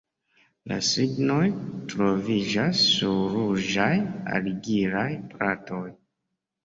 La signoj troviĝas sur ruĝaj argilaj platoj.